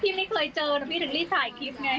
พี่นี่เขิดเจอพี่ถึงรีบถ่ายคลิปไง